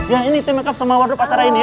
ya ini tim make up sama waduk acara ini ya